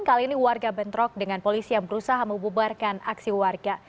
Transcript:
kali ini warga bentrok dengan polisi yang berusaha membubarkan aksi warga